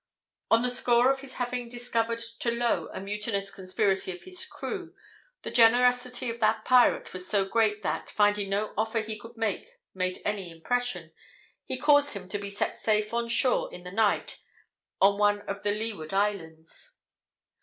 On the score of his having discovered to Low a mutinous conspiracy of his crew, the generosity of that pirate was so great that, finding no offer he could make made any impression, he caused him to be set safe on shore in the night, on one of the Leeward Islands.